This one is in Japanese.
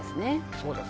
そうです。